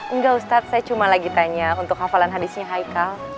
enggak ustadz saya cuma lagi tanya untuk hafalan hadisnya haikal